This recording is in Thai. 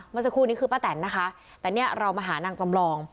เมื่อสักครู่นี้คือป้าแตนนะคะแต่เนี่ยเรามาหานางจำลอง